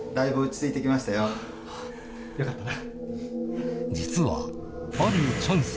よかったな。